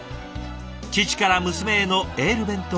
父から娘へのエール弁当